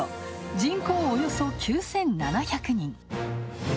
人口およそ９７００人。